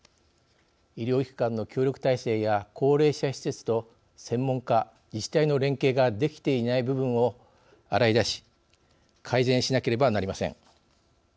医療機関の協力体制や高齢者施設と専門家自治体の連携ができていない部分を洗い出し改善しなければなりません。